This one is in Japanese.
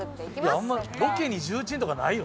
いやあんまロケに重鎮とかないよ！